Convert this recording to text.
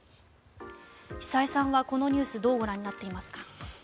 久江さんはこのニュースどうご覧になっていますか。